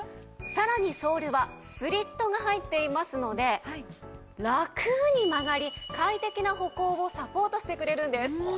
さらにソールはスリットが入っていますのでラクに曲がり快適な歩行をサポートしてくれるんです。